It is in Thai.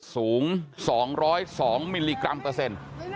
สูง๒๐๒มิลลิกรัมเปอร์เซ็นต์